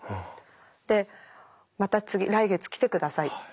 で「また次来月来て下さい」。